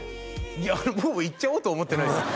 いや僕もいっちゃおうとは思ってないですよ